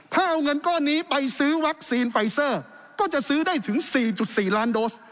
ถ้าเอาเงินก้อนนี้ไปซื้อวัคซีนไฟเซอร์ก็จะซื้อได้ถึง๔๔ล้านโดส